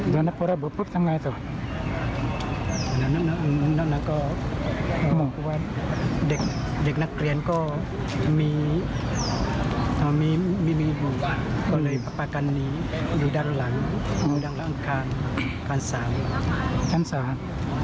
อยู่ด้านหลังด้านข้างทาง๓